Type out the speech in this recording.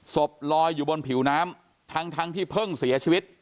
ศพลอยอยู่บนผิวน้ำทั้งที่เพิ่งเสียชีวิต